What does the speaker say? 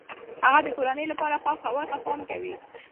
هغه د کورنۍ لپاره پاک هوای ته پام کوي.